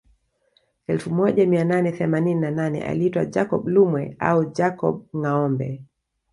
Elfu moja mia nane themanini na nane aliitwa Jacob Lumwe au Jacob Ngâombe